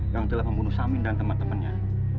yang telah membunuh samin dan teman temannya